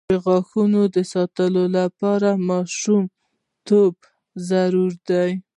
د غاښونو ساتنه له ماشومتوبه ضروري ده.